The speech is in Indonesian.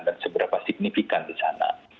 dan seberapa signifikan di sana